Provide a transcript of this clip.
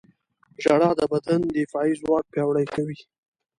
• ژړا د بدن دفاعي ځواک پیاوړی کوي.